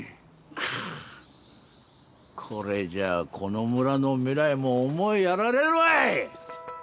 ハァこれじゃあこの村の未来も思いやられるわい。